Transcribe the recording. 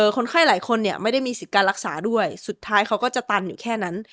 คนไข้หลายคนเนี่ยไม่ได้มีสิทธิ์การรักษาด้วยสุดท้ายเขาก็จะตันอยู่แค่นั้น